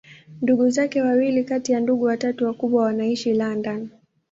Ndugu zake wawili kati ya ndugu watatu wakubwa wanaishi London.